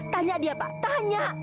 tanya dia pak tanya